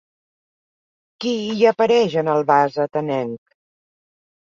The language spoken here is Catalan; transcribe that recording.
Qui hi apareix en el vas atenenc?